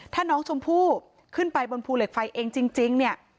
ถ้าน้องชมพู่ขึ้นไปบนภูเหล็กไฟเองจริงเนี่ย